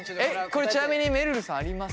これちなみにめるるさんあります？